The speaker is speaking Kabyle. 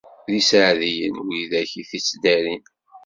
D iseɛdiyen wid akk i t-ittdarin.